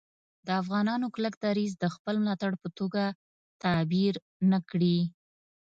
د افغانانو کلک دریځ د خپل ملاتړ په توګه تعبیر نه کړي